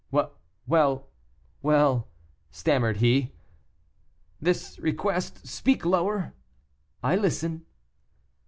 "Well, well," stammered he, "this request, speak lower I listen."